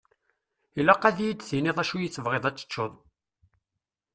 Ilaq ad yi-d-tiniḍ d acu i tebɣiḍ ad teččeḍ.